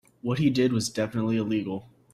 What he did was definitively illegal.